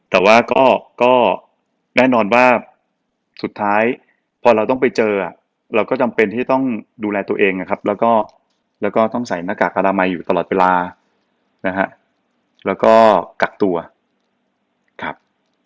แต่ว่าก็แน่นอนว่าสุดท้ายพอเราต้องไปเจอเราก็จำเป็นที่ต้องดูแลตัวเองนะครับแล้วก็ต้องใส่หน้ากากอนามัยอยู่ตลอดเวลานะฮะแล้วก็กักตัวครับ